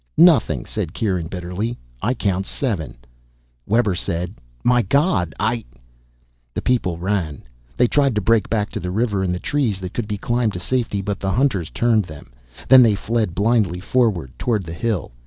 "Nothing," said Kieran bitterly. "I count seven." Webber said, "My God, I "The people ran. They tried to break back to the river and the trees that could be climbed to safety, but the hunters turned them. Then they fled blindly forward, toward the hill.